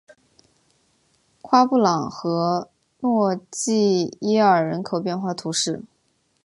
布夸朗和诺济耶尔人口变化图示